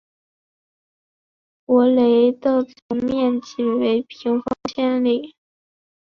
博雷的总面积为平方公里。